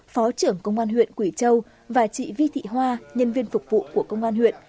phó trưởng công an huyện quỳ châu và chị vi thị hoa nhân viên phục vụ của công an huyện